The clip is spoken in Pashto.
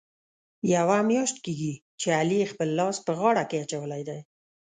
یوه میاشت کېږي، چې علي خپل لاس په غاړه کې اچولی دی.